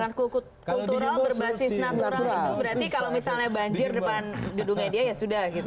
karena kultural berbasis natural itu berarti kalau misalnya banjir depan gedungnya dia ya sudah gitu